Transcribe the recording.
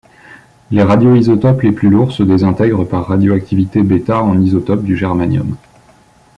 Les radioisotopes les plus lourds se désintègrent par radioactivité β en isotopes du germanium.